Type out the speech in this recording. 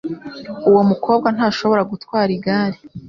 Uwo mukobwa ntashobora gutwara igare.